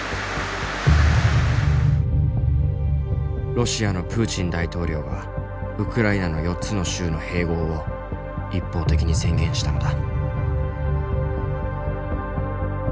ロシアのプーチン大統領がウクライナの４つの州の併合を一方的に宣言したのだ。